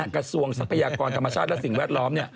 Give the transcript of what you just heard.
กระทรวงทรัพยากรธรรมชาติและสิ่งแวดล้อม